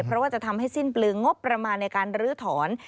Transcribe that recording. เพราะว่าจะทำให้สิ้นปลืองบประมาณในการลื้อถอน